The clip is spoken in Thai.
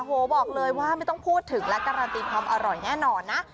โอ้โหบอกเลยว่าไม่ต้องพูดถึงและการันตีความอร่อยแน่นอนนะ